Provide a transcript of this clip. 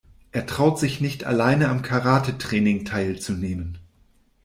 Er traut sich nicht alleine am Karatetraining teilzunehmen.